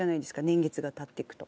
年月が経っていくと。